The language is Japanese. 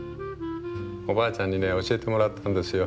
おばあちゃんにね教えてもらったんですよ。